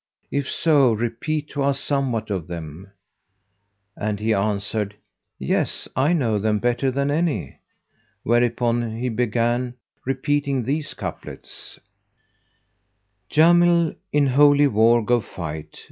if so repeat to us somewhat of them;" and he answered, "Yes, I know them better than any;" whereupon he began repeating these couplets, "Jamil, in Holy war go fight!"